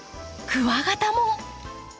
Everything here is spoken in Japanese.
クワガタも。